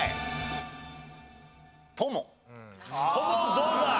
どうだ？